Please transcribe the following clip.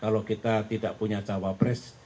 kalau kita tidak punya cawapres